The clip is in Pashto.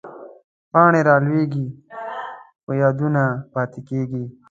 پاڼې رالوېږي، خو یادونه پاتې کېږي